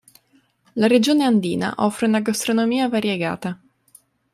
La regione Andina offre una gastronomia variegata.